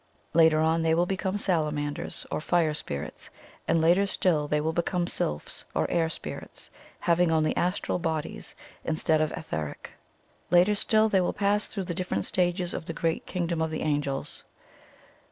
Later on they will become salamanders, or fire spirits, and later still they will become sylphs, or air spirits, having only astral bodies instead of etheric. Later still they will pass through the different stages of the great kingdom of the angels."